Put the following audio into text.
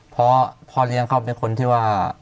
เพราะพ่อเลี้ยงเขาเป็นคนที่ว่า